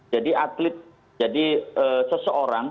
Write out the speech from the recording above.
jadi atlet jadi seseorang